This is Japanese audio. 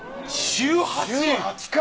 週８回！